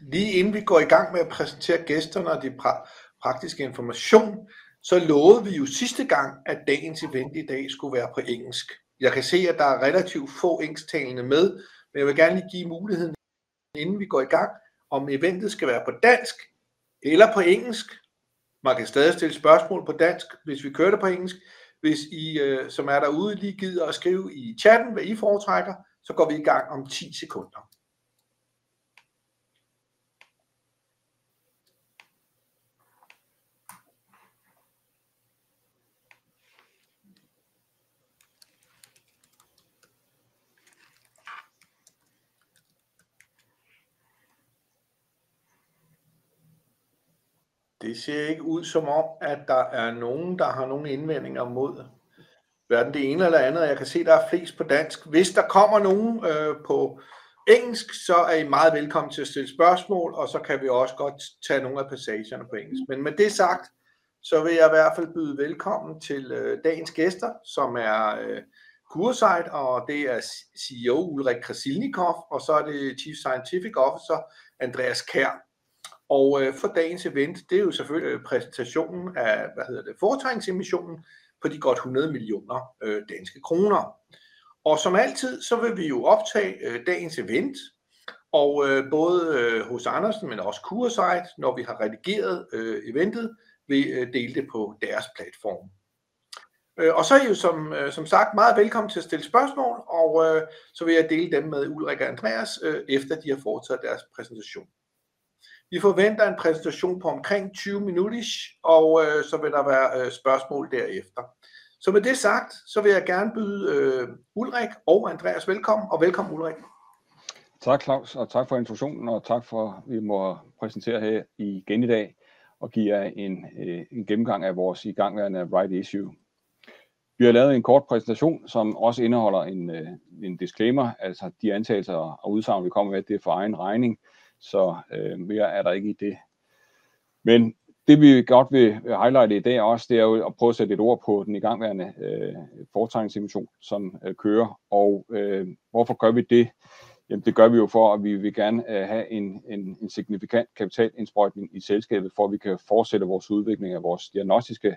Lige inden vi går i gang med at præsentere gæsterne og de praktiske informationer, så lovede vi jo sidste gang, at dagens event i dag skulle være på engelsk. Jeg kan se, at der er relativt få engelsktalende med, men jeg vil gerne lige give muligheden, inden vi går i gang, om eventet skal være på dansk eller på engelsk. Man kan stadig stille spørgsmål på dansk, hvis vi kører det på engelsk. Hvis I, som er derude, lige gider at skrive i chatten, hvad I foretrækker, så går vi i gang om 10 sekunder. Det ser ikke ud som om, at der er nogen, der har nogen indvendinger mod hverken det ene eller det andet. Jeg kan se, at der er flest på dansk. Hvis der kommer nogen på engelsk, så er I meget velkommen til at stille spørgsmål, og så kan vi også godt tage nogle af passagerne på engelsk. Men med det sagt, så vil jeg i hvert fald byde velkommen til dagens gæster, som Curasight, og det CEO Ulrik Krasilnikoff, og så det Chief Scientific Officer Andreas Kjær. Og for dagens event, det jo selvfølgelig præsentationen af, hvad hedder det, fortegningsemissionen på de godt DKK 100 millioner. Og som altid, så vil vi jo optage dagens event, og både hos Andersen, men også Curasight, når vi har redigeret eventet, vil dele det på deres platform. Og så I jo som sagt meget velkommen til at stille spørgsmål, og så vil jeg dele dem med Ulrik og Andreas, efter de har foretaget deres præsentation. Vi forventer en præsentation på omkring 20 minutter, og så vil der være spørgsmål derefter. Så med det sagt, så vil jeg gerne byde Ulrik og Andreas velkommen, og velkommen Ulrik. Tak Claus, og tak for introduktionen, og tak for at vi må præsentere her igen i dag, og give jer en gennemgang af vores igangværende RESERVED_VIDEO, Tyler og Marcin Szczygiel. Vi har lavet en kort præsentation, som også indeholder en disclaimer, altså de antagelser og udsagn, vi kommer med, det for egen regning, så mere der ikke i det. Men det, vi godt vil highlighte i dag også, det er jo at prøve at sætte lidt ord på den igangværende foretrækningsemission, som kører, og hvorfor gør vi det? Jamen, det gør vi jo for, at vi vil gerne have en signifikant kapitalindsprøjtning i selskabet, for at vi kan fortsætte vores udvikling af vores diagnostiske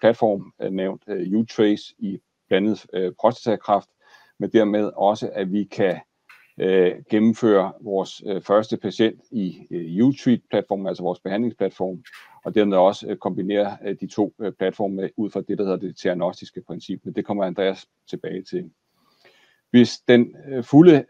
platform, nævnt U-Trace i blandet prostatakræft, men dermed også, at vi kan gennemføre vores første patient i U-Treat-platformen, altså vores behandlingsplatform, og dermed også kombinere de to platforme ud fra det, der hedder det diagnostiske princip, men det kommer Andreas tilbage til. Hvis den fulde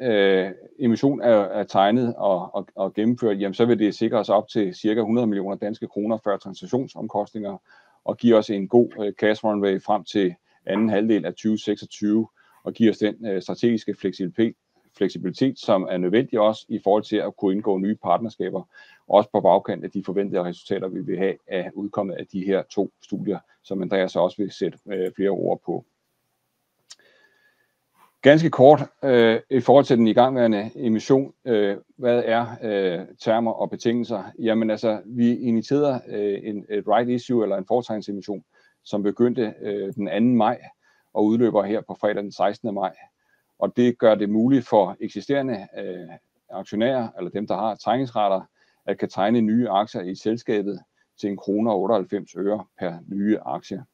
emission tegnet og gennemført, jamen så vil det sikre os op til cirka DKK 100 millioner før transaktionsomkostninger, og give os en god cash runway frem til anden halvdel af 2026, og give os den strategiske fleksibilitet, som nødvendig også i forhold til at kunne indgå nye partnerskaber, også på bagkant af de forventede resultater, vi vil have udkommet af de her to studier, som Andreas også vil sætte flere ord på. Ganske kort i forhold til den igangværende emission, hvad angår termer og betingelser? Jamen altså, vi initierede en fortegningsemission, som begyndte den 2. maj og udløber her på fredag den 16. maj, og det gør det muligt for eksisterende aktionærer, eller dem der har tegningsretter, at kunne tegne nye aktier i selskabet til DKK 1,98 per nye aktie.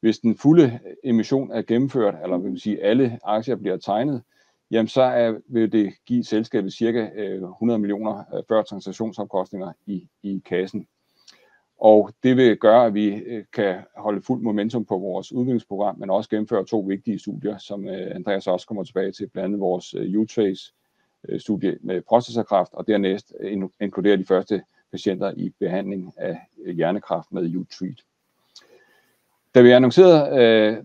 Hvis den fulde emission gennemføres, eller vi vil sige, alle aktier bliver tegnet, jamen så vil det give selskabet cirka DKK 100 millioner før transaktionsomkostninger i kassen, og det vil gøre, at vi kan holde fuld momentum på vores udviklingsprogram, men også gennemføre to vigtige studier, som Andreas også kommer tilbage til, blandt andet vores U-Trace-studie med prostatakræft, og dernæst inkludere de første patienter i behandling af hjernekræft med U-Treat. Da vi annoncerede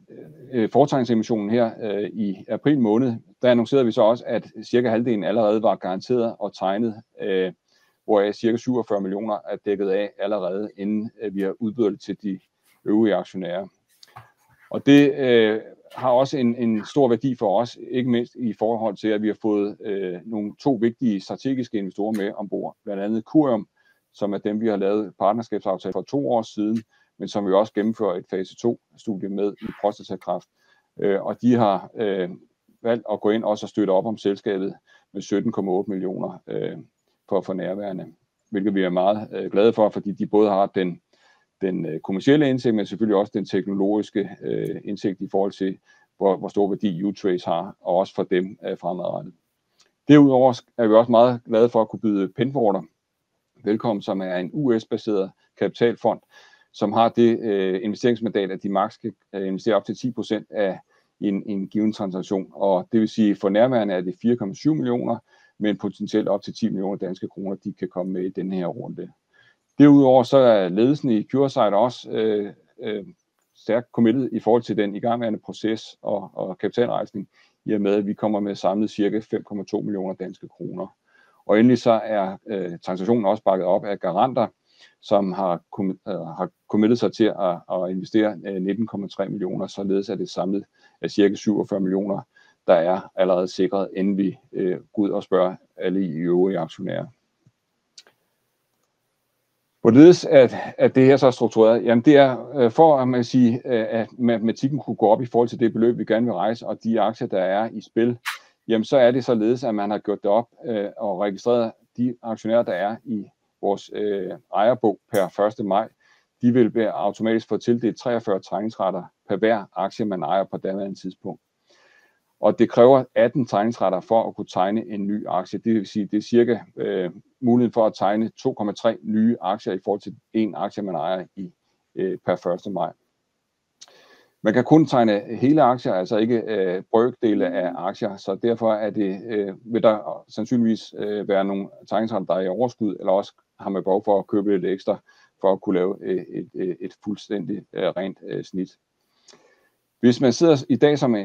foretrækningsemissionen her i april måned, der annoncerede vi så også, at cirka halvdelen allerede var garanteret og tegnet, hvoraf cirka DKK 47 millioner dækket af allerede, inden vi har udbudt det til de øvrige aktionærer. Og det har også en stor værdi for os, ikke mindst i forhold til, at vi har fået nogle to vigtige strategiske investorer med ombord, blandt andet Curion, som dem, vi har lavet partnerskabsaftale for to år siden, men som vi også gennemfører et fase 2-studie med i prostatakræft, og de har valgt at gå ind også og støtte op om selskabet med DKK 17,8 millioner for at få nærværende, hvilket vi meget glade for, fordi de både har den kommercielle indsigt, men selvfølgelig også den teknologiske indsigt i forhold til, hvor stor værdi U-Trace har, og også for dem fremadrettet. Derudover er vi også meget glade for at kunne byde Penfolder velkommen, som en US-baseret kapitalfond, som har den investeringsmodel, at de max kan investere op til 10% af en given transaktion, og det vil sige, for nærværende de 4,7 millioner, men potentielt op til 10 millioner danske kroner, de kan komme med i denne runde. Derudover så er ledelsen i Curasight også stærkt committed i forhold til den igangværende proces og kapitalrejsning, i og med at vi kommer med samlet cirka 5,2 millioner danske kroner, og endelig så er transaktionen også bakket op af garanter, som har committed sig til at investere 19,3 millioner, således at det er samlet cirka 47 millioner, der allerede er sikret, inden vi går ud og spørger alle de øvrige aktionærer. Hvorledes at det her så struktureret, jamen det for, at man kan sige, at matematikken kunne gå op i forhold til det beløb, vi gerne vil rejse, og de aktier, der i spil, jamen så det således, at man har gjort det op og registreret de aktionærer, der i vores ejerbog per 1. maj. De vil automatisk få tildelt 43 tegningsretter per hver aktie, man ejer på daværende tidspunkt, og det kræver 18 tegningsretter for at kunne tegne en ny aktie. Det vil sige, det cirka muligheden for at tegne 2,3 nye aktier i forhold til en aktie, man ejer i per 1. maj. Man kan kun tegne hele aktier, altså ikke brøkdele af aktier, så derfor vil der sandsynligvis være nogle tegningsretter, der i overskud, eller også har man behov for at købe lidt ekstra for at kunne lave et fuldstændigt rent snit. Hvis man sidder i dag som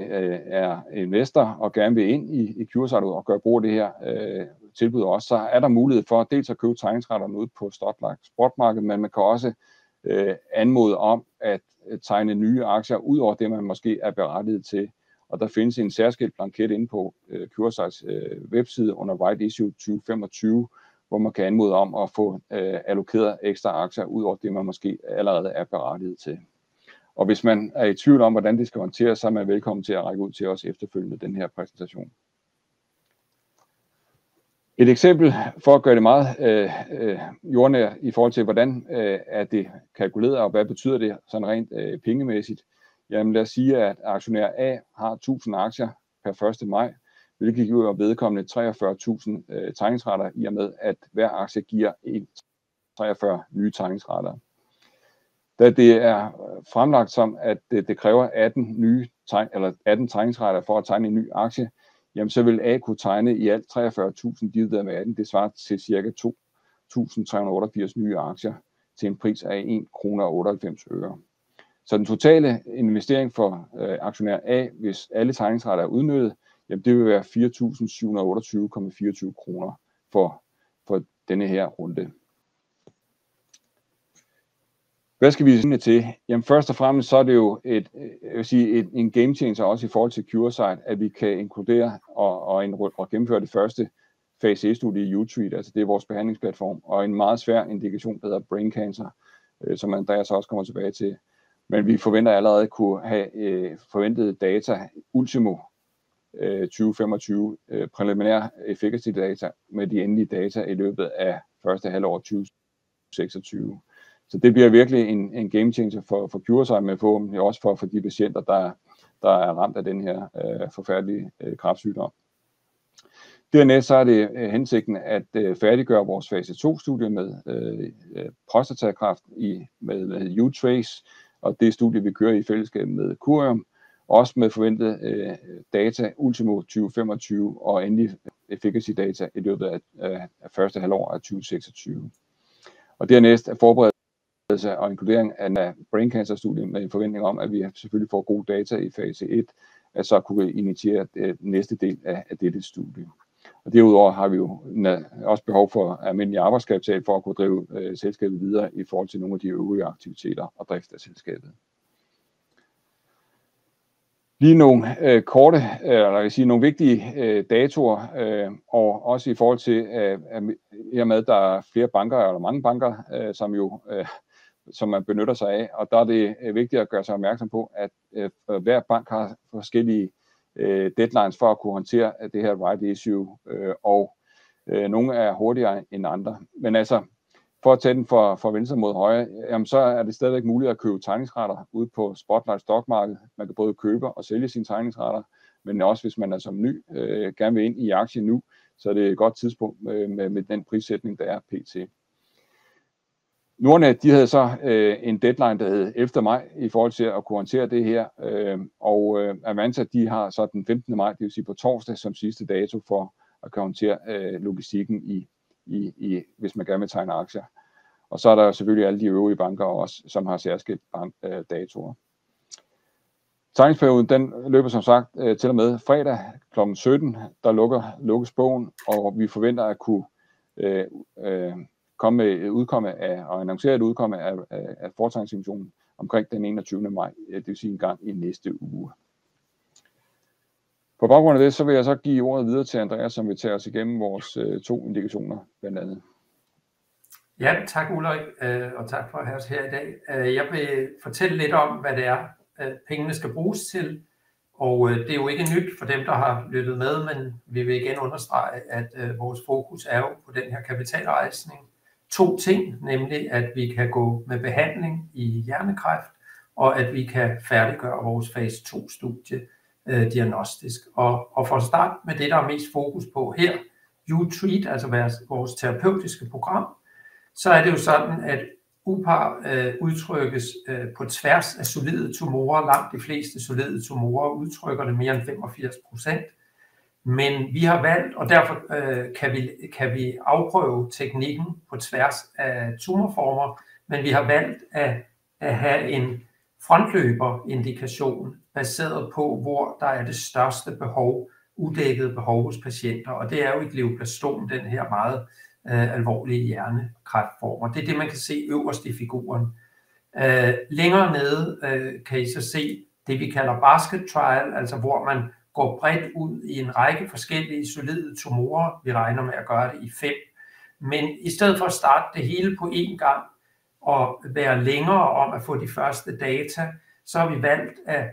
investor og gerne vil ind i Curasight og gøre brug af det her tilbud også, så er der mulighed for dels at købe tegningsretterne ude på Spotlight Aktiemarked, men man kan også anmode om at tegne nye aktier udover det, man måske er berettiget til, og der findes en særskilt blanket inde på Curasights webside under Investor Relations 2025, hvor man kan anmode om at få allokeret ekstra aktier udover det, man måske allerede er berettiget til. Og hvis man er i tvivl om, hvordan det skal håndteres, så er man velkommen til at række ud til os efterfølgende i denne her præsentation. Et eksempel for at gøre det meget jordnært i forhold til, hvordan det er kalkuleret, og hvad betyder det sådan rent pengemæssigt, jamen lad os sige, at aktionær A har 1.000 aktier per 1. Maj, hvilket giver vedkommende 43.000 tegningsretter, i og med at hver aktie giver en 43 nye tegningsretter. Da det fremlagt som, at det kræver 18 nye tegningsretter for at tegne en ny aktie, så vil A kunne tegne i alt 43.000 divideret med 18, det svarer til cirka 2.388 nye aktier til en pris af 1,98 kroner. Så den totale investering for aktionær A, hvis alle tegningsretter udnyttes, det vil være 4.728,24 kroner for denne runde. Hvad skal vi sige til det? Jamen først og fremmest så er det jo et, jeg vil sige, en gamechanger også i forhold til Curasight, at vi kan inkludere og gennemføre det første fase 1-studie i U-Treat, altså det er vores behandlingsplatform, og en meget svær indikation, der hedder brain cancer, som Andreas også kommer tilbage til, men vi forventer allerede at kunne have forventede data ultimo 2025, preliminære effekter til de data med de endelige data i løbet af første halvår 2026. Så det bliver virkelig en gamechanger for Curasight, men forhåbentlig også for de patienter, der er ramt af den her forfærdelige kræftsygdom. Dernæst så er det hensigten at færdiggøre vores fase 2-studie med prostatakræft med U-Trace, og det studie, vi kører i fællesskab med Curion, også med forventede data ultimo 2025, og endelige effekter til data i løbet af første halvår af 2026. Og dernæst forberedelse og inkludering af brain cancer-studiet med en forventning om, at vi selvfølgelig får gode data i fase 1, at så kunne vi initiere næste del af dette studie. Og derudover har vi jo også behov for almindelig arbejdskapital for at kunne drive selskabet videre i forhold til nogle af de øvrige aktiviteter og drift af selskabet. Lige nogle korte, eller jeg vil sige nogle vigtige datoer, og også i forhold til, at i og med at der flere banker eller mange banker, som jo som man benytter sig af, og der det vigtigt at gøre sig opmærksom på, at hver bank har forskellige deadlines for at kunne håndtere det her, og nogle hurtigere end andre. Men altså, for at tage den fra venstre mod højre, så er det stadigvæk muligt at købe tegningsretter ude på Spotlight Stockmarket. Man kan både købe og sælge sine tegningsretter, men også hvis man som ny gerne vil ind i aktier nu, så er det et godt tidspunkt med den prissætning, der er pt. Nordnet, de havde så en deadline, der hed efter maj i forhold til at kunne håndtere det her, og Avanza, de har så den 15. maj, det vil sige på torsdag som sidste dato for at kunne håndtere logistikken i, hvis man gerne vil tegne aktier. Og så er der jo selvfølgelig alle de øvrige banker også, som har særskilte datoer. Tegningsperioden, den løber som sagt til og med fredag klokken 17, der lukkes bogen, og vi forventer at kunne komme med et udfald og annoncere et udfald af fortegningsemissionen omkring den 21. maj, det vil sige engang i næste uge. På baggrund af det, så vil jeg så give ordet videre til Andreas, som vil tage os igennem vores to indikationer blandt andet. Ja, tak Ulrik, og tak for at have os her i dag. Jeg vil fortælle lidt om, hvad pengene skal bruges til, og det er jo ikke nyt for dem, der har lyttet med, men vi vil igen understrege, at vores fokus på den her kapitalrejsning er to ting, nemlig at vi kan gå videre med behandling i hjernekræft, og at vi kan færdiggøre vores fase 2-studie diagnostisk. Og for at starte med det, der er mest fokus på her, U-Treat, altså vores terapeutiske program, så er det jo sådan, at UPAR udtrykkes på tværs af solide tumorer. Langt de fleste solide tumorer udtrykker det, mere end 85%, men vi har valgt, og derfor kan vi afprøve teknikken på tværs af tumorformer, men vi har valgt at have en frontløberindikation baseret på, hvor der er det største behov, udækkede behov hos patienter, og det er jo i glioblastom, den her meget alvorlige hjernekræftform, og det kan man se øverst i figuren. Længere nede kan I så se det, vi kalder basket trial, altså hvor man går bredt ud i en række forskellige solide tumorer. Vi regner med at gøre det i fem, men i stedet for at starte det hele på en gang og være længere om at få de første data, så har vi valgt at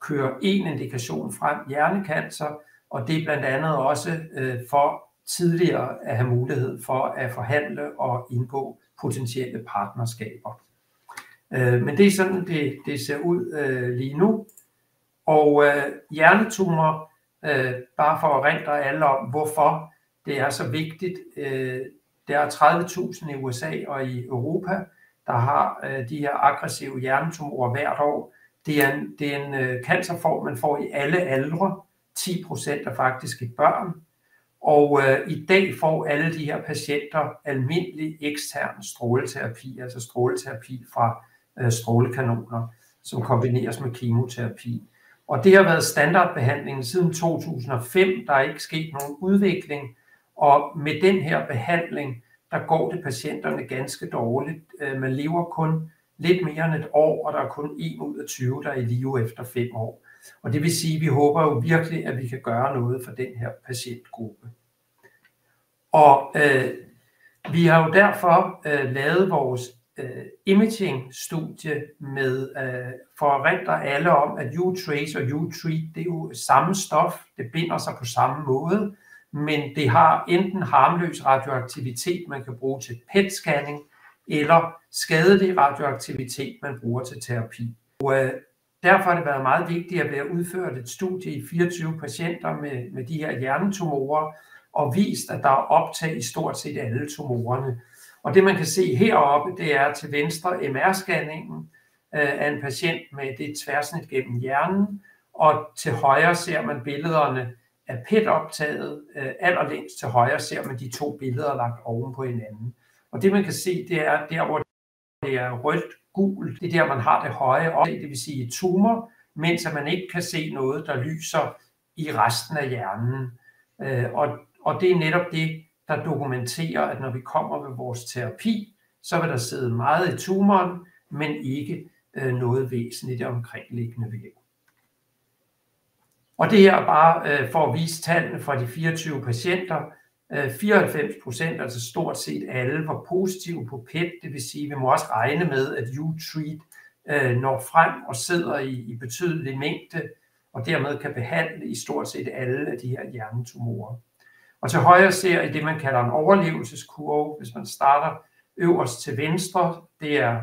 køre en indikation frem, hjernekancer, og det blandt andet også for tidligere at have mulighed for at forhandle og indgå potentielle partnerskaber. Men det sådan, det ser ud lige nu, og hjernetumorer, bare for at forankre alle om, hvorfor det så vigtigt. Der er 30.000 i USA og i Europa, der har de her aggressive hjernetumorer hvert år. Det er en cancerform, man får i alle aldre, 10% faktisk i børn, og i dag får alle de her patienter almindelig ekstern stråleterapi, altså stråleterapi fra strålekanoner, som kombineres med kemoterapi. Og det har været standardbehandlingen siden 2005, der er ikke sket nogen udvikling, og med den her behandling, der går det patienterne ganske dårligt. Man lever kun lidt mere end et år, og der er kun en ud af 20, der er i live efter fem år, og det vil sige, vi håber jo virkelig, at vi kan gøre noget for den her patientgruppe. Vi har jo derfor lavet vores imaging-studie for at forankre alle om, at U-Trace og U-Treat, det er jo samme stof, det binder sig på samme måde, men det har enten harmløs radioaktivitet, man kan bruge til PET-scanning, eller skadelig radioaktivitet, man bruger til terapi. Derfor har det været meget vigtigt at udføre et studie i 24 patienter med de her hjernetumorer og vise, at der er optag i stort set alle tumorerne. Og det man kan se heroppe, det til venstre MR-scanningen af en patient med det tværsnit gennem hjernen, og til højre ser man billederne af PET-optaget. Allerlængst til højre ser man de to billeder lagt oven på hinanden. Og det man kan se, det er at der hvor det er rødt-gult, det der hvor man har det høje. Det vil sige i tumor, mens at man ikke kan se noget, der lyser i resten af hjernen. Og det er netop det, der dokumenterer, at når vi kommer med vores terapi, så vil der sidde meget i tumoren, men ikke noget væsentligt i omkringliggende væv. Og det her bare for at vise tallene fra de 24 patienter: 94%, altså stort set alle, var positive på PET. Det vil sige, vi må også regne med, at U-Treat når frem og sidder i betydelig mængde, og dermed kan behandle stort set alle af de her hjernetumorer. Og til højre ser I det, man kalder en overlevelseskurve. Hvis man starter øverst til venstre, det er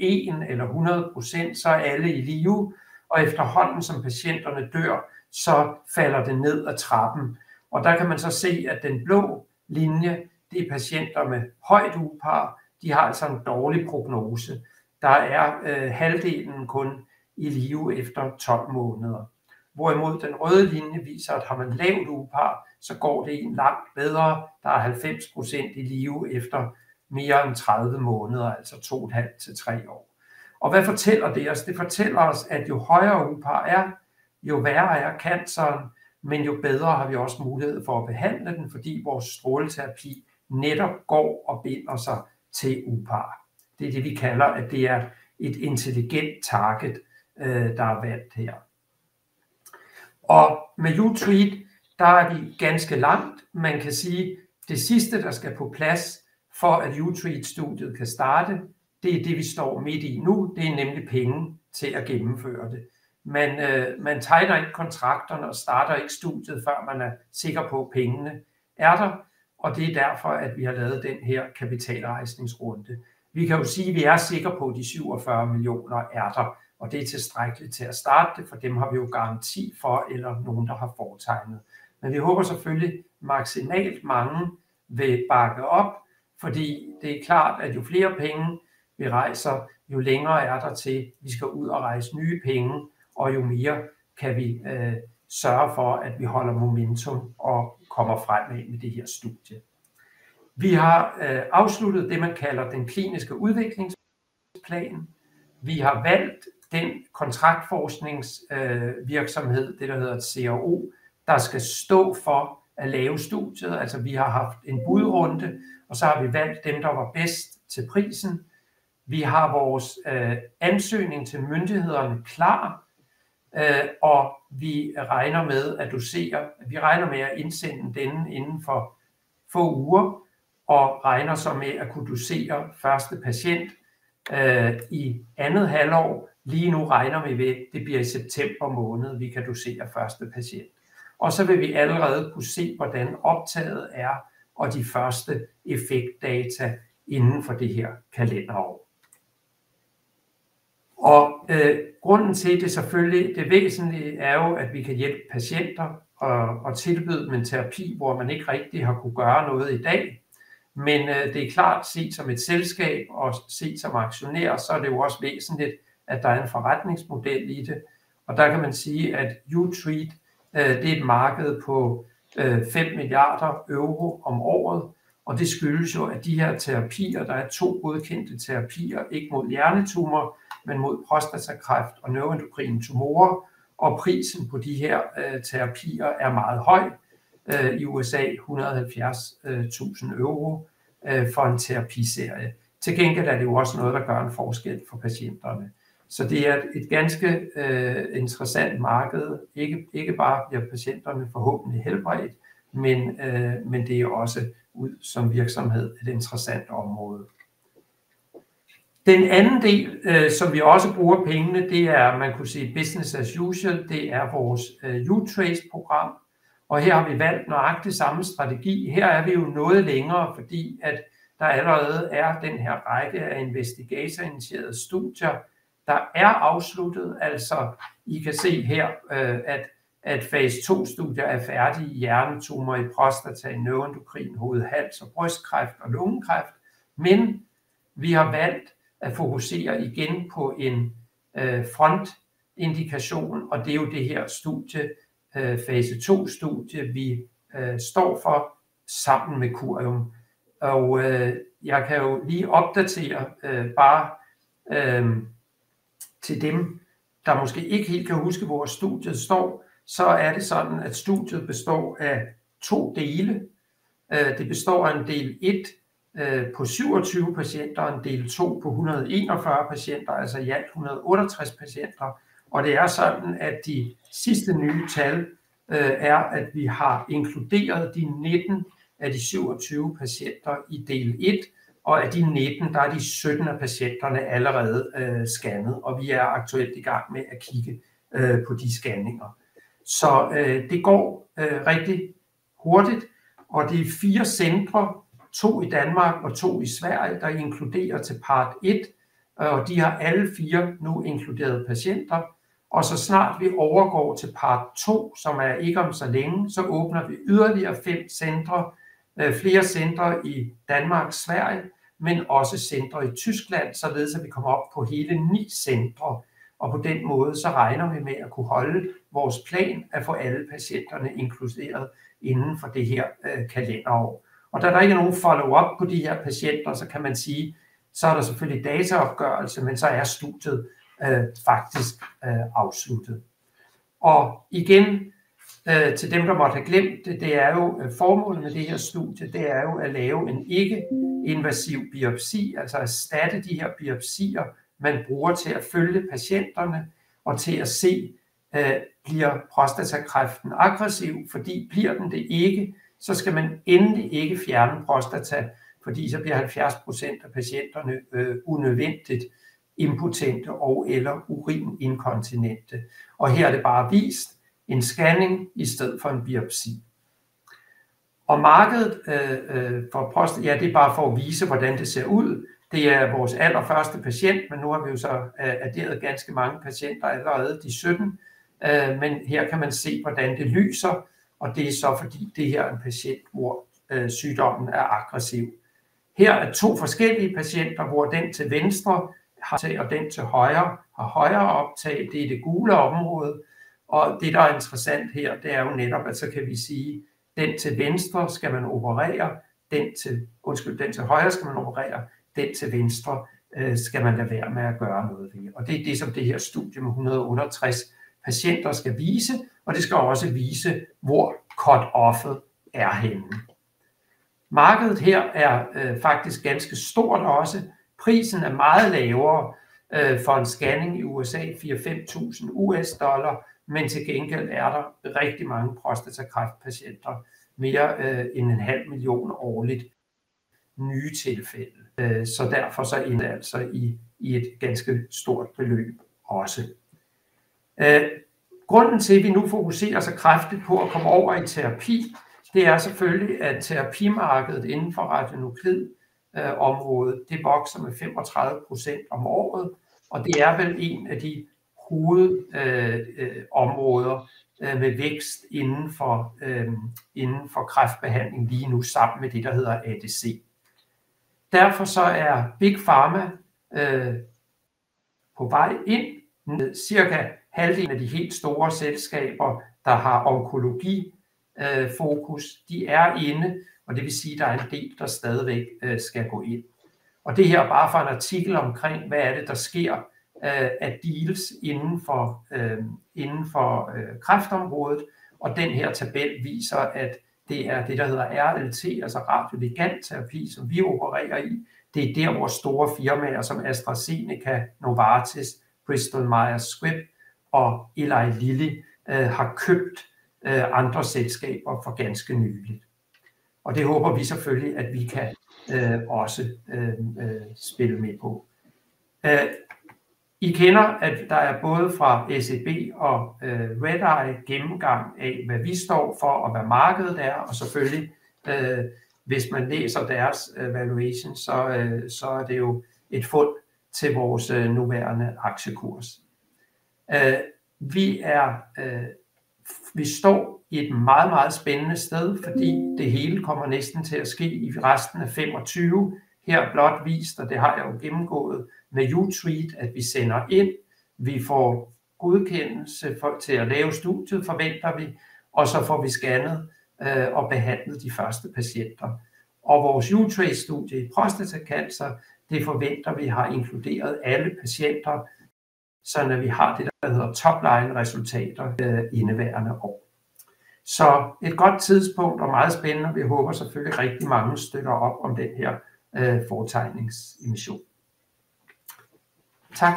1 eller 100%, så alle er i live, og efterhånden som patienterne dør, så falder det ned ad trappen. Og der kan man så se, at den blå linje, det er patienter med højt UPAR, de har altså en dårlig prognose, der er halvdelen kun i live efter 12 måneder. Hvorimod den røde linje viser, at har man lavt UPAR, så går det langt bedre, der er 90% i live efter mere end 30 måneder, altså 2,5 til 3 år. Og hvad fortæller det os? Det fortæller os, at jo højere UPAR jo værre er canceren, men jo bedre har vi også mulighed for at behandle den, fordi vores stråleterapi netop går og binder sig til UPAR. Det er det, vi kalder, at det er et intelligent target, der er valgt her. Og med U-Treat, der er vi ganske langt, man kan sige, det er det sidste, der skal på plads for, at U-Treat-studiet kan starte. Det, det vi står midt i nu, det er nemlig penge til at gennemføre det. Man tegner ikke kontrakterne og starter ikke studiet, før man er sikker på, at pengene er der, og det er derfor, at vi har lavet den her kapitalrejsningsrunde. Vi kan jo sige, vi er sikre på, at de 47 millioner er der, og det er tilstrækkeligt til at starte det, for dem har vi jo garanti for, eller nogen der har foretegnet. Men vi håber selvfølgelig, at maksimalt mange vil bakke op, fordi det er klart, at jo flere penge vi rejser, jo længere er der til, at vi skal ud og rejse nye penge, og jo mere kan vi sørge for, at vi holder momentum og kommer fremad med det her studie. Vi har afsluttet det, man kalder den kliniske udviklingsplan. Vi har valgt den kontraktforskningsvirksomhed, det der hedder et CRO, der skal stå for at lave studiet. Vi har haft en budrunde, og så har vi valgt dem, der var bedst til prisen. Vi har vores ansøgning til myndighederne klar, og vi regner med at dosere. Vi regner med at indsende denne inden for få uger, og regner så med at kunne dosere første patient i andet halvår. Lige nu regner vi med, at det bliver i september måned, vi kan dosere første patient. Så vil vi allerede kunne se, hvordan optaget og de første effektdata inden for det her kalenderår. Og grunden til det selvfølgelig, det væsentlige jo, at vi kan hjælpe patienter og tilbyde dem en terapi, hvor man ikke rigtig har kunnet gøre noget i dag, men det klart set som et selskab, og set som aktionær, så er det jo også væsentligt, at der er en forretningsmodel i det, og der kan man sige, at U-Treat, det er et marked på €5 milliarder om året, og det skyldes jo, at de her terapier, der er to godkendte terapier, ikke mod hjernetumor, men mod prostatakræft og neuroendokrine tumorer, og prisen på de her terapier er meget høj, i USA €170.000 for en terapiserie. Til gengæld er det jo også noget, der gør en forskel for patienterne, så det er et ganske interessant marked, ikke bare bliver patienterne forhåbentlig helbredt, men det ser også ud som virksomhed et interessant område. Den anden del, som vi også bruger pengene til, det at man kunne sige business as usual, det er vores U-Trace-program, og her har vi valgt nøjagtig samme strategi. Her er vi jo noget længere, fordi der allerede er den her række af investigator-initierede studier, der er afsluttet. Altså I kan se her, at fase 2-studier er færdige i hjernetumor, i prostata, i neuroendokrin, hoved, hals og brystkræft og lungekræft, men vi har valgt at fokusere igen på en frontindikation, og det er jo det her studie, fase 2-studie, vi står for sammen med Curion. Og jeg kan jo lige opdatere, bare til dem, der måske ikke helt kan huske, hvor studiet står, så det sådan, at studiet består af to dele. Det består af en del 1 på 27 patienter og en del 2 på 141 patienter, altså i alt 168 patienter. Og det sådan, at de sidste nye tal, at vi har inkluderet de 19 af de 27 patienter i del 1, og af de 19, der er de 17 af patienterne allerede scannet, og vi er aktuelt i gang med at kigge på de scanninger. Så det går rigtig hurtigt, og det fire centre, to i Danmark og to i Sverige, der inkluderer til part 1, og de har alle fire nu inkluderet patienter. Så snart vi overgår til part 2, som ikke om så længe, så åbner vi yderligere fem centre, flere centre i Danmark og Sverige, men også centre i Tyskland, således at vi kommer op på hele ni centre. På den måde regner vi med at kunne holde vores plan at få alle patienterne inkluderet inden for det her kalenderår. Da der ikke nogen follow-up på de her patienter, så kan man sige, så der selvfølgelig dataopgørelse, men så studiet faktisk afsluttet. Og igen, til dem der måtte have glemt det, det er jo formålet med det her studie, det er jo at lave en ikke-invasiv biopsi, altså erstatte de her biopsier man bruger til at følge patienterne og til at se bliver prostatakræften aggressiv, fordi bliver den det ikke, så skal man endelig ikke fjerne prostata, fordi så bliver 70% af patienterne unødvendigt impotente og/eller urininkontinente. Og her er det bare vist, en scanning i stedet for en biopsi. Og markedet for prostata, ja, det er bare for at vise hvordan det ser ud, det er vores allerførste patient, men nu har vi jo så adderet ganske mange patienter allerede, de 17, men her kan man se hvordan det lyser, og det er så fordi det her er en patient hvor sygdommen er aggressiv. Her to forskellige patienter, hvor den til venstre har lavt optag, og den til højre har højere optag, det gule område, og det der interessante her, det er jo netop, at så kan vi sige, den til venstre skal man ikke operere, den til højre skal man operere, den til venstre skal man lade være med at gøre noget ved, og det er det, som det her studie med 168 patienter skal vise, og det skal også vise, hvor cut-off'et er henne. Markedet her er faktisk ganske stort også, prisen meget lavere for en scanning i USA, $4-5.000, men til gengæld er der rigtig mange prostatakræftpatienter, mere end en halv million årligt. Nye tilfælde, så derfor så ender det altså i et ganske stort beløb også. Grunden til, at vi nu fokuserer så kraftigt på at komme over i terapi, det er selvfølgelig, at terapimarkedet inden for radio- og nuklidområdet, det vokser med 35% om året, og det er vel en af de hovedområder med vækst inden for kræftbehandling lige nu, sammen med det, der hedder ADC. Derfor så er Big Pharma på vej ind, cirka halvdelen af de helt store selskaber, der har onkologifokus, de er inde, og det vil sige, der er en del, der stadigvæk skal gå ind. Og det her er bare for en artikel omkring, hvad det er, der sker af deals inden for kræftområdet, og den her tabel viser, at det er det, der hedder RLT, altså radio- og ligandterapi, som vi opererer i, det er der, hvor store firmaer som AstraZeneca, Novartis, Bristol-Myers Squibb og Eli Lilly har købt andre selskaber for ganske nyligt. Og det håber vi selvfølgelig, at vi kan også spille med på. I kender, at der både fra ACB og REDEYE gennemgang af, hvad vi står for, og hvad markedet og selvfølgelig, hvis man læser deres valuation, så så det jo et fund til vores nuværende aktiekurs. Vi står i et meget, meget spændende sted, fordi det hele kommer næsten til at ske i resten af 2025, her blot vist, og det har jeg jo gennemgået med U-Treat, at vi sender ind, vi får godkendelse til at lave studiet, forventer vi, og så får vi scannet og behandlet de første patienter. Og vores U-Treat-studie i prostatakræft, det forventer vi, har inkluderet alle patienter, så vi har det, der hedder topline-resultater indeværende år. Så et godt tidspunkt og meget spændende, og vi håber selvfølgelig rigtig mange stykker op om den her fortegningsemission. Tak.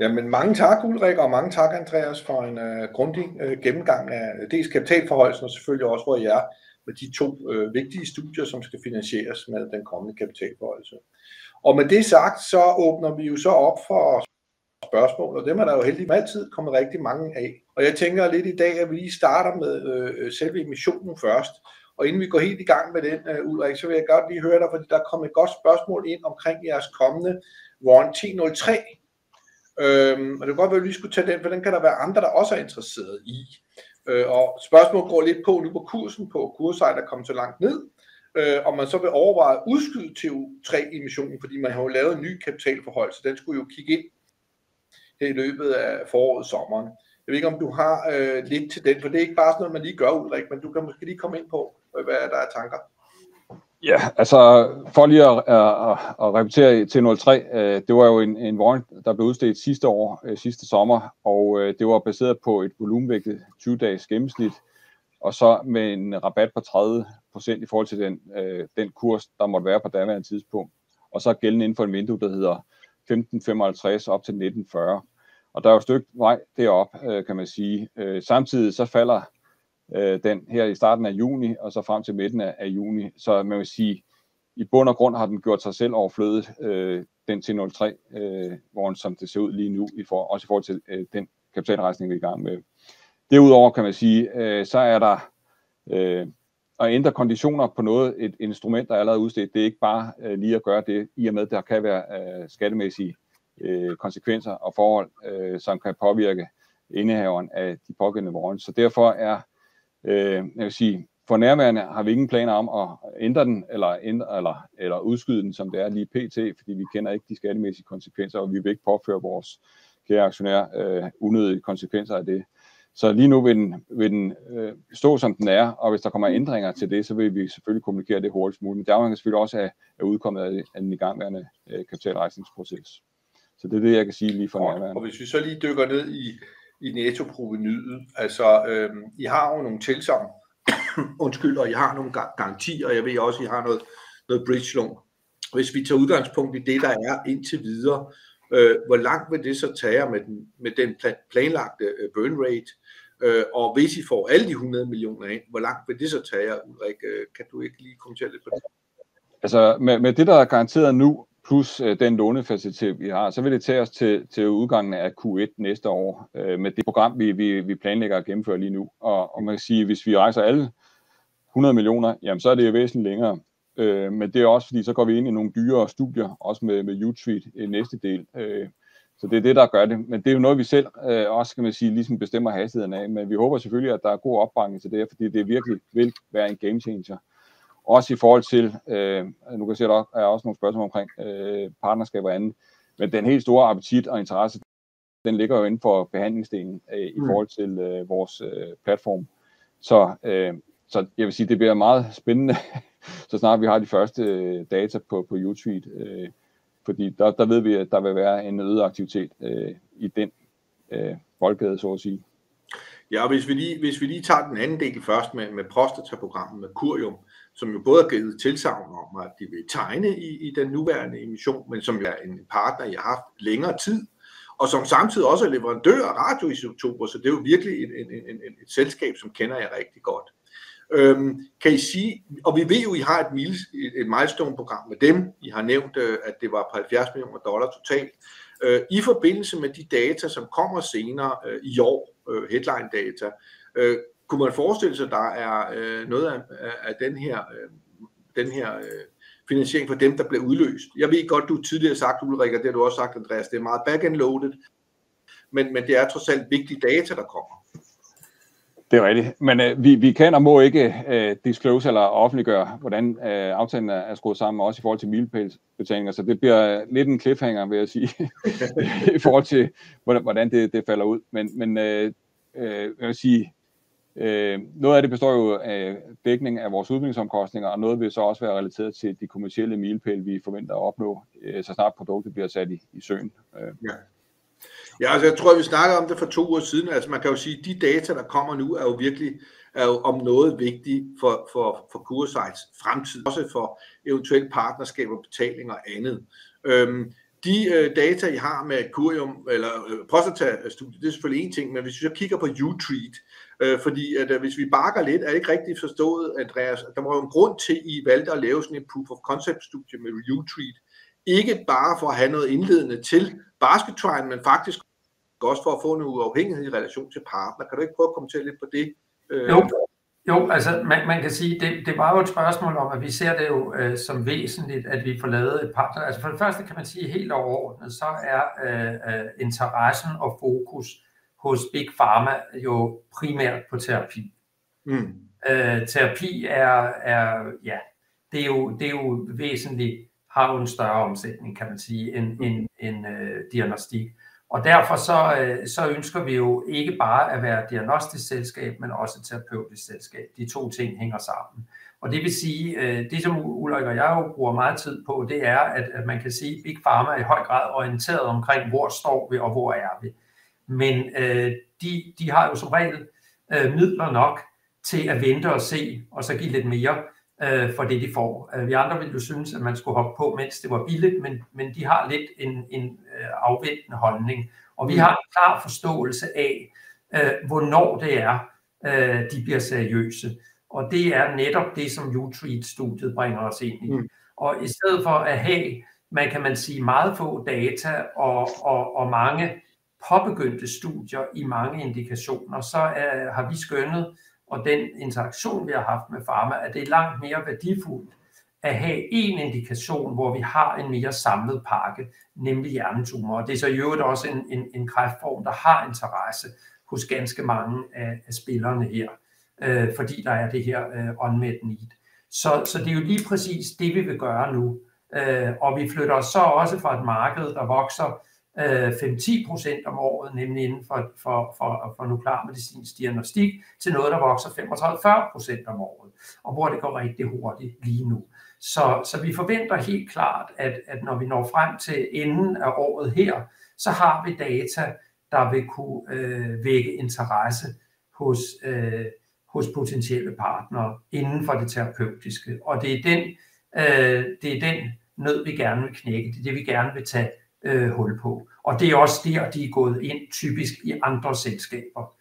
Jamen mange tak, Ulrik, og mange tak, Andreas, for en grundig gennemgang af dels kapitalforhøjelsen, og selvfølgelig også hvor I med de to vigtige studier, som skal finansieres med den kommende kapitalforhøjelse. Og med det sagt åbner vi jo op for spørgsmål, og dem der jo heldigvis som altid kommet rigtig mange af. Og jeg tænker lidt i dag, at vi lige starter med selve emissionen først, og inden vi går helt i gang med den, Ulrik, vil jeg godt lige høre dig, fordi der kommet et godt spørgsmål ind omkring jeres kommende Warrant 03, og det kunne godt være, at vi lige skulle tage den, for den kan der være andre, der også interesserede i. Og spørgsmålet går lidt på, nu på kursen, på kurssejl, der kommet så langt ned, om man så vil overveje at udskyde til U-3-emissionen, fordi man har jo lavet en ny kapitalforhøjelse, den skulle jo kigge ind her i løbet af foråret/sommeren. Jeg ved ikke, om du har lidt til den, for det ikke bare sådan noget, man lige gør, Ulrik, men du kan måske lige komme ind på, hvad der tanker. Ja, altså for lige at repetere til 03, det var jo en warrant, der blev udstedt sidste år, sidste sommer, og det var baseret på et volumenvækket 20-dages gennemsnit, og så med en rabat på 30% i forhold til den kurs, der måtte være på daværende tidspunkt, og så gældende inden for et vindue, der hedder 15.55 op til 19.40. Og der jo et stykke vej derop, kan man sige. Samtidig så falder den her i starten af juni, og så frem til midten af juni, så man vil sige, i bund og grund har den gjort sig selv overflødig, den til 03-warrant, som det ser ud lige nu, også i forhold til den kapitalrejsning, vi er i gang med. Derudover kan man sige, så der at ændre konditioner på noget, et instrument, der allerede er udstedt, det er ikke bare lige at gøre det, i og med at der kan være skattemæssige konsekvenser og forhold, som kan påvirke indehaveren af de pågældende warrants, så derfor vil jeg sige, for nærværende har vi ingen planer om at ændre den, eller udskyde den, som det ser ud lige nu, fordi vi kender ikke de skattemæssige konsekvenser, og vi vil ikke påføre vores kære aktionærer unødige konsekvenser af det. Så lige nu vil den stå, som den er, og hvis der kommer ændringer til det, så vil vi selvfølgelig kommunikere det hurtigst muligt. Men deraf at man selvfølgelig også er udkommet af den igangværende kapitalrejsningsproces. Det er det, jeg kan sige lige for nærværende. Hvis vi dykker ned i netto-provenuet, altså I har jo nogle tilsagn, undskyld, og I har nogle garantier, og jeg ved også, at I har noget bridge-lån. Hvis vi tager udgangspunkt i det, der er indtil videre, hvor langt vil det tage jer med den planlagte burn rate? Hvis I får alle de 100 millioner ind, hvor langt vil det tage jer, Ulrik? Kan du ikke lige kommentere lidt på det? Altså med det, der er garanteret nu, plus den lånefacilitet, vi har, så vil det tage os til udgangen af Q1 næste år, med det program, vi planlægger at gennemføre lige nu. Og man kan sige, hvis vi rejser alle 100 millioner, jamen så er det jo væsentligt længere. Men det er også, fordi så går vi ind i nogle dyrere studier, også med U-Treat i næste del. Så det er det, der gør det. Men det er jo noget, vi selv også kan man sige ligesom bestemmer hastigheden af, men vi håber selvfølgelig, at der er god opbakning til det, fordi det virkelig vil være en game changer. Også i forhold til, nu kan jeg se, at der også er nogle spørgsmål omkring partnerskaber og andet, men den helt store appetit og interesse, den ligger jo inden for behandlingsdelene i forhold til vores platform. Så jeg vil sige, det bliver meget spændende, så snart vi har de første data på U-Treat, fordi der ved vi, at der vil være en øget aktivitet i den boldgade, så at sige. Ja, og hvis vi lige tager den anden del først med prostataprogrammet med Curion, som jo både har givet tilsagn om, at de vil tegne i den nuværende emission, men som en partner, I har haft længere tid, og som samtidig også leverandør af radioisotoper, så det jo virkelig et selskab, som kender jer rigtig godt. Kan I sige, og vi ved jo, at I har et milestone-program med dem, I har nævnt, at det var på 70 millioner dollars totalt, i forbindelse med de data, som kommer senere i år, headline-data, kunne man forestille sig, at der noget af den her finansiering for dem, der bliver udløst? Jeg ved godt, at du tidligere har sagt, Ulrik, og det har du også sagt, Andreas, det meget back-and-loaded, men det trods alt vigtige data, der kommer. Det rigtigt, men vi kan og må ikke disclose eller offentliggøre, hvordan aftalen skruet sammen, også i forhold til milepælbetalinger, så det bliver lidt en cliffhanger, vil jeg sige, i forhold til, hvordan det falder ud. Men jeg vil sige, noget af det består jo af dækning af vores udviklingsomkostninger, og noget vil så også være relateret til de kommercielle milepæle, vi forventer at opnå, så snart produktet bliver sat i søen. Ja, jeg tror, at vi snakkede om det for to uger siden, altså man kan jo sige, at de data, der kommer nu, jo virkelig er vigtige for Curesights fremtid. Også for eventuelle partnerskaber, betalinger og andet. De data, I har med Curion eller Prostatastudiet, det er selvfølgelig en ting, men hvis vi så kigger på U-Treat, fordi hvis vi bakker lidt, det er ikke rigtig forstået, Andreas, at der må være en grund til, at I valgte at lave sådan et proof-of-concept-studie med U-Treat, ikke bare for at have noget indledende til basket-træning, men faktisk også for at få noget uafhængighed i relation til partnere. Kan du ikke prøve at kommentere lidt på det? Jo, jo, altså man kan sige, det var jo et spørgsmål om, at vi ser det jo som væsentligt, at vi får lavet et partnerskab. Altså for det første kan man sige, helt overordnet, så interessen og fokus hos Big Pharma jo primært på terapi. Terapi ja, det jo væsentligt, har jo en større omsætning, kan man sige, end diagnostik. Og derfor så ønsker vi jo ikke bare at være diagnostisk selskab, men også et terapeutisk selskab. De to ting hænger sammen. Og det vil sige, det som Ulrik og jeg jo bruger meget tid på, det at man kan sige, Big Pharma i høj grad orienteret omkring, hvor står vi, og hvor vi. Men de har jo som regel midler nok til at vente og se, og så give lidt mere for det, de får. Vi andre ville jo synes, at man skulle hoppe på, mens det var billigt, men de har lidt en afventende holdning. Og vi har en klar forståelse af, hvornår de bliver seriøse. Og det netop det, som U-Treat-studiet bringer os ind i. Og i stedet for at have, man kan sige, meget få data og mange påbegyndte studier i mange indikationer, så har vi skønnet, og den interaktion, vi har haft med Pharma, at det langt mere værdifuldt at have en indikation, hvor vi har en mere samlet pakke, nemlig hjernetumor. Og det så i øvrigt også en kræftform, der har interesse hos ganske mange af spillerne her, fordi der det her unmet need. Så det jo lige præcis det, vi vil gøre nu. Og vi flytter os så også fra et marked, der vokser 5-10% om året, nemlig inden for nuklearmedicinsk diagnostik, til noget, der vokser 35-40% om året, og hvor det går rigtig hurtigt lige nu. Så vi forventer helt klart, at når vi når frem til enden af året her, så har vi data, der vil kunne vække interesse hos potentielle partnere inden for det terapeutiske. Og det den nød, vi gerne vil knække. Det det, vi gerne vil tage hul på. Og det også det, de gået ind typisk i andre selskaber.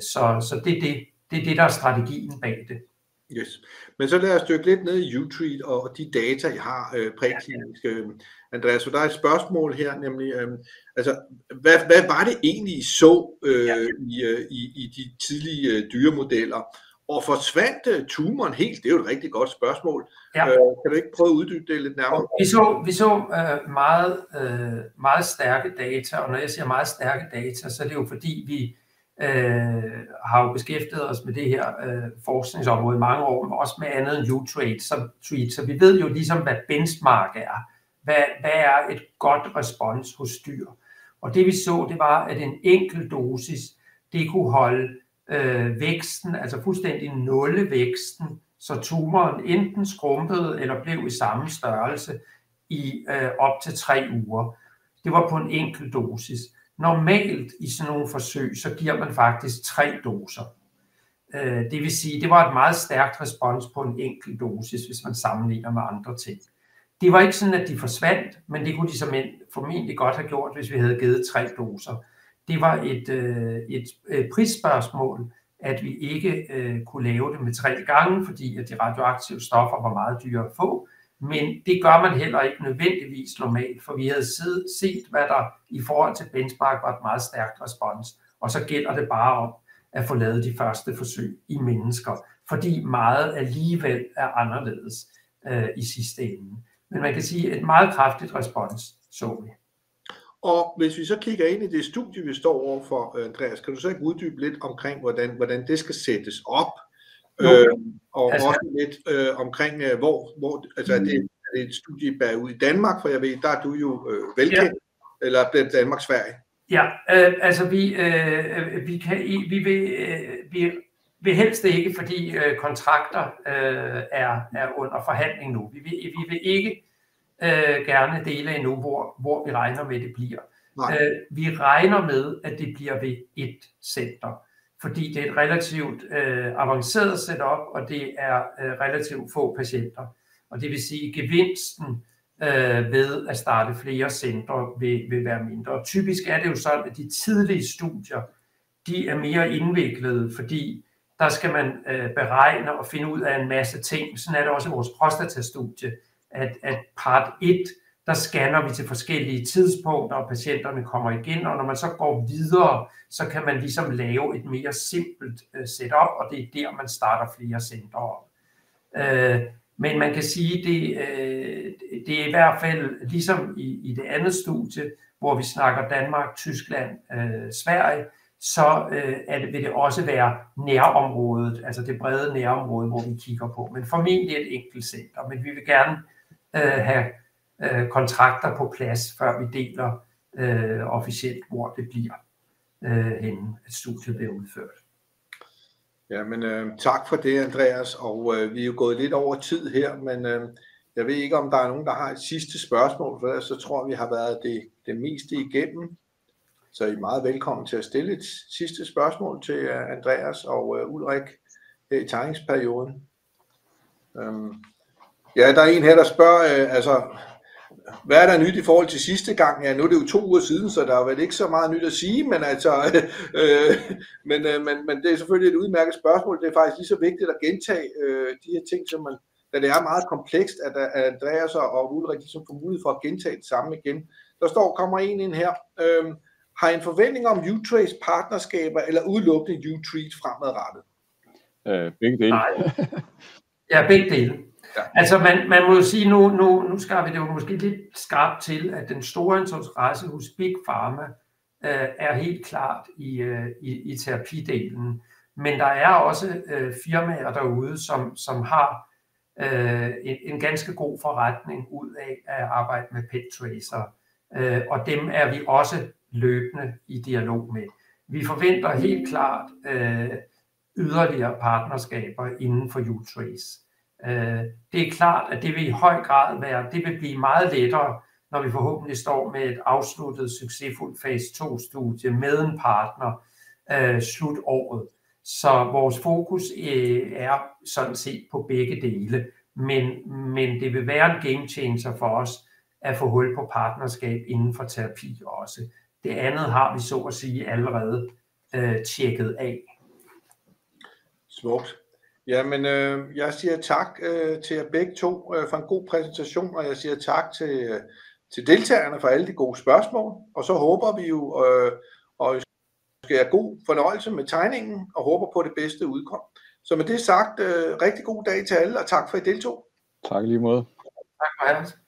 Så det, strategien bag det. Yes. Men så lad os dykke lidt ned i U-Treat og de data, I har præklinisk. Andreas, så der et spørgsmål her, nemlig altså hvad var det egentlig, I så i de tidlige dyremodeller? Og forsvandt tumoren helt? Det jo et rigtig godt spørgsmål. Ja. Kan du ikke prøve at uddybe det lidt nærmere? Vi så meget stærke data, og når jeg siger meget stærke data, så det jo fordi, vi har jo beskæftiget os med det her forskningsområde i mange år, men også med andet end U-Treat. Så vi ved jo ligesom, hvad benchmark. Hvad et godt respons hos dyr? Og det, vi så, det var, at en enkelt dosis, det kunne holde væksten, altså fuldstændig nulle væksten, så tumoren enten skrumpede eller blev i samme størrelse i op til tre uger. Det var på en enkelt dosis. Normalt i sådan nogle forsøg, så giver man faktisk tre doser. Det vil sige, det var et meget stærkt respons på en enkelt dosis, hvis man sammenligner med andre ting. Det var ikke sådan, at de forsvandt, men det kunne de såmænd formentlig godt have gjort, hvis vi havde givet tre doser. Det var et prisspørgsmål, at vi ikke kunne lave det med tre gange, fordi de radioaktive stoffer var meget dyre at få, men det gør man heller ikke nødvendigvis normalt, for vi havde set, hvad der i forhold til benchmark var et meget stærkt respons, og så gælder det bare om at få lavet de første forsøg i mennesker, fordi meget alligevel anderledes i sidste ende. Men man kan sige, et meget kraftigt respons så vi. Og hvis vi så kigger ind i det studie, vi står overfor, Andreas, kan du så ikke uddybe lidt omkring, hvordan det skal sættes op? Og også lidt omkring, hvor det et studie, der ude i Danmark, for jeg ved, der du jo velkendt, eller bliver Danmark svær? Ja, altså vi kan vi vil helst ikke, fordi kontrakter under forhandling nu. Vi vil ikke gerne dele endnu, hvor vi regner med, at det bliver. Nej. Vi regner med, at det bliver ved et center, fordi det et relativt avanceret setup, og det relativt få patienter. Og det vil sige, gevinsten ved at starte flere center vil være mindre. Typisk det jo sådan, at de tidlige studier, de mere indviklede, fordi der skal man beregne og finde ud af en masse ting. Sådan det også i vores prostatastudie, at part 1, der scanner vi til forskellige tidspunkter, og patienterne kommer igen, og når man så går videre, så kan man ligesom lave et mere simpelt setup, og det der, man starter flere center op. Men man kan sige, det i hvert fald ligesom i det andet studie, hvor vi snakker Danmark, Tyskland, Sverige, så det vil det også være nærområdet, altså det brede nærområde, hvor vi kigger på. Men formentlig et enkelt center, men vi vil gerne have kontrakter på plads, før vi deler officielt, hvor det bliver henne, at studiet bliver udført. Jamen tak for det, Andreas, og vi jo gået lidt over tid her, men jeg ved ikke, om der nogen, der har et sidste spørgsmål, for ellers så tror jeg, vi har været det det meste igennem. Så I meget velkommen til at stille et sidste spørgsmål til Andreas og Ulrik i tegningsperioden. Ja, der en her, der spørger, altså hvad der nyt i forhold til sidste gang? Ja, nu det jo to uger siden, så der har vel ikke så meget nyt at sige, men altså det selvfølgelig et udmærket spørgsmål. Det faktisk lige så vigtigt at gentage de her ting, som man da det meget komplekst, at Andreas og Ulrik ligesom får mulighed for at gentage det samme igen. Der står, kommer en ind her. Har I en forventning om U-Trace partnerskaber eller udelukkende U-Treat fremadrettet? Begge dele. Nej. Ja, begge dele. Altså man må jo sige, nu skar vi det jo måske lidt skarpt til, at den store interesse hos Big Pharma helt klart i terapidelen, men der også firmaer derude, som har en ganske god forretning ud af at arbejde med Petracer, og dem vi også løbende i dialog med. Vi forventer helt klart yderligere partnerskaber inden for U-Trace. Det er klart, at det vil i høj grad være, det vil blive meget lettere, når vi forhåbentlig står med et afsluttet succesfuldt fase 2-studie med en partner slut året. Så vores fokus er sådan set på begge dele, men det vil være en game changer for os at få hul på partnerskab inden for terapi også. Det andet har vi så at sige allerede tjekket af. Smukt. Jamen jeg siger tak til jer begge to for en god præsentation, og jeg siger tak til deltagerne for alle de gode spørgsmål, og så håber vi jo og ønsker jer god fornøjelse med tegningen, og håber på det bedste udfald. Så med det sagt, rigtig god dag til alle, og tak for at I deltog. Tak i lige måde. Tak for i dag.